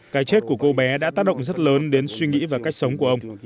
cái chết của cô bé đã tác động rất lớn đến suy nghĩ và cách sống của ông